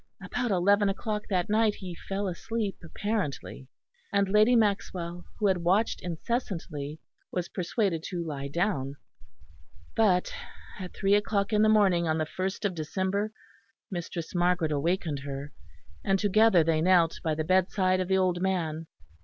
About eleven o'clock that night he fell asleep, apparently, and Lady Maxwell, who had watched incessantly, was persuaded to lie down; but at three o'clock in the morning, on the first of December, Mistress Margaret awakened her, and together they knelt by the bedside of the old man.